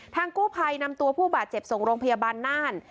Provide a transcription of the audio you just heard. กู้ภัยนำตัวผู้บาดเจ็บส่งโรงพยาบาลน่าน